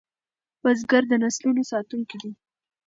بزګر د نسلونو ساتونکی دی